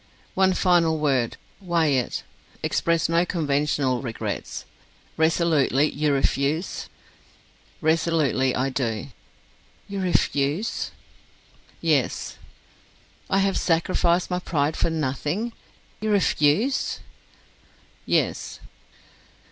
"One final word. Weigh it. Express no conventional regrets. Resolutely you refuse?" "Resolutely I do." "You refuse?" "Yes." "I have sacrificed my pride for nothing! You refuse?" "Yes."